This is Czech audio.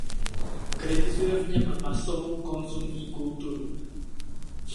Kritizuje v něm masovou konzumní kulturu.